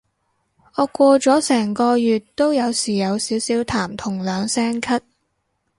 我過咗成個月都有時有少少痰同兩聲咳